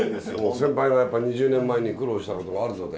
先輩がやっぱ２０年前に苦労したことがあるので。